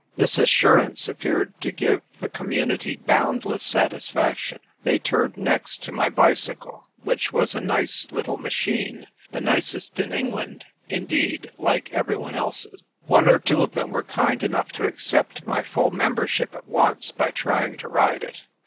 This assurance appeared to give the com munity boundless satisfaction. They turned next to my bicycle, which was a nice little machine — the nicest in England, indeed, like everyone else's. One or two of them were kind enough to accept my full membership at once by trying to ride it.